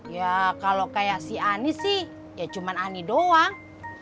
ya kalau kayak si anies sih ya cuma ani doang